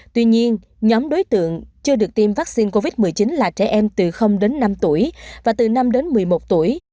tuy nhiên nhóm đối tượng chưa được tiêm vaccine covid một mươi chín là trẻ em từ đến năm tuổi và từ năm đến một mươi một tuổi